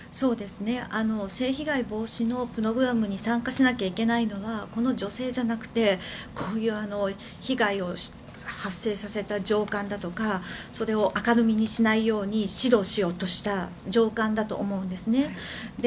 性被害防止のプログラムに参加しなきゃいけないのはこの女性じゃなくてこういう被害を発生させた上官だとかそれを明るみにしないように指導しようとした上官だと思うんですね。